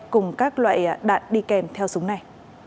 cùng các loại đạn đi kèm theo súng này